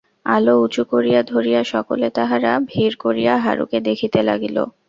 আলো উঁচু করিয়া ধরিয়া সকলে তাহারা ভিড় করিয়া হারুকে দেখিতে লাগিল।